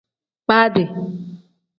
Baadi.